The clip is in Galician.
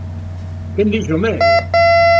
Quen dixo medo!